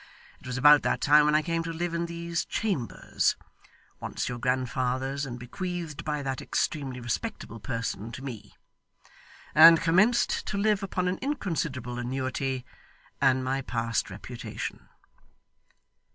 It was about that time when I came to live in these chambers (once your grandfather's, and bequeathed by that extremely respectable person to me), and commenced to live upon an inconsiderable annuity and my past reputation.